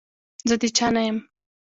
زه د چا نه يم.